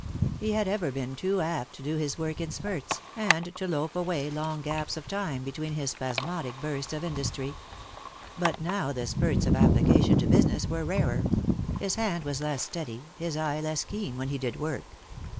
He had ever been too apt to do his work in spurts, and to loaf away long gaps of time between his spasmodic bursts of industry. But now the spurts of application to business were rarer ; his hand was less steady, his eye less keen when he did work.